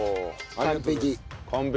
完璧。